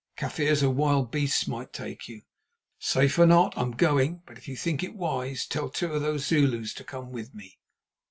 Kaffirs or wild beasts might take you." "Safe or not, I am going; but if you think it wise, tell two of those Zulus to come with me."